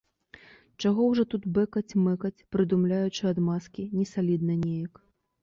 Чаго ўжо тут бэкаць-мэкаць, прыдумляючы адмазкі, несалідна неяк.